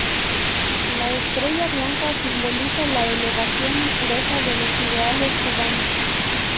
La estrella blanca simboliza la elevación y pureza de los ideales cubanos.